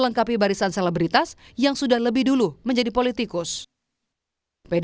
menerima hasil pemilu dengan logowo dan tidak berhasil lolos ke senayan